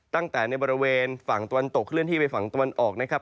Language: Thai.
ตั้งแต่ในบริเวณฝั่งตะวันตกเคลื่อนที่ไปฝั่งตะวันออกนะครับ